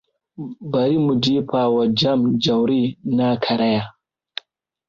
Bari mu jefa wa jam Jauroi na karaya.